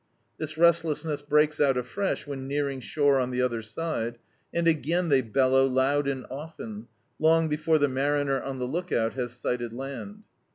This restlessness breaks out afresh when nearing shore on the other side, and again they bellow loud and often, Icmg before the mariner on the look out has sighted land.